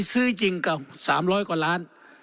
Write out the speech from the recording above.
ซื้อจริงกับ๓๐๐กว่าล้าน